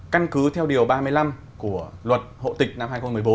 căn cứ theo điều ba mươi năm của luật hộ tịch năm hai nghìn một mươi bốn